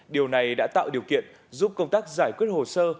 điều này đã tạo điều kiện giúp công tác giải quyết hồ sơ